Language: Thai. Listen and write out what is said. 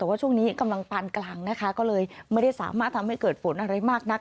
แต่ว่าช่วงนี้กำลังปานกลางนะคะก็เลยไม่ได้สามารถทำให้เกิดฝนอะไรมากนัก